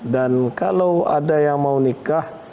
dan kalau ada yang mau nikah